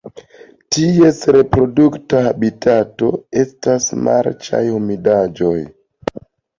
Ties reprodukta habitato estas marĉaj humidejoj.